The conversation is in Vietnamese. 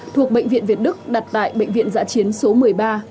thuộc bệnh viện việt đức đặt tại bệnh viện giã chiến số một mươi ba